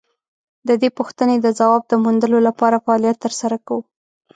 د دې پوښتنې د ځواب د موندلو لپاره فعالیت تر سره کوو.